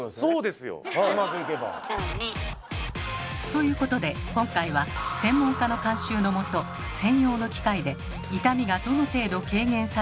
うまくいけば。ということで今回は専門家の監修のもと専用の機械で痛みがどの程度軽減されるのか実験。